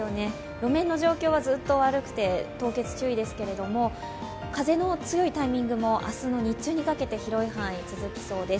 路面の状況はずっと悪くて凍結注意ですけれども風の強いタイミングも明日の日中にかけて広い範囲、続きそうです。